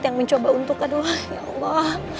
yang mencoba untuk aduh ya allah